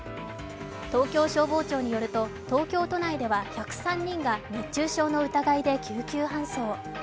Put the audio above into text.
東京消防庁によると東京都内では１０３人が熱中症の疑いで救急搬送。